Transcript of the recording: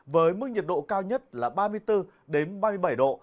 với mức nhiệt độ cao nhất là ba mươi bốn ba mươi bảy độ